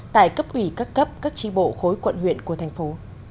tại cấp ủy các cấp các tri bộ khối quận huyện của thành phố